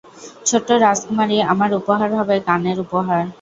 ছোট্ট রাজকুমারী, আমার উপহার হবে গানের উপহার।